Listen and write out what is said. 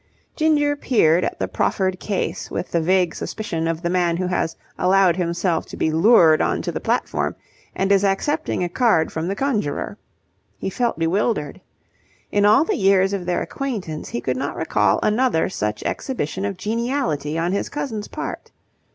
Ginger peered at the proffered case with the vague suspicion of the man who has allowed himself to be lured on to the platform and is accepting a card from the conjurer. He felt bewildered. In all the years of their acquaintance he could not recall another such exhibition of geniality on his cousin's part.